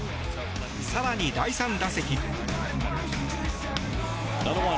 更に、第３打席。